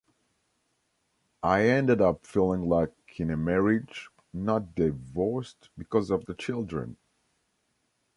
I ended up feeling like in a marriage not divorced because of the children.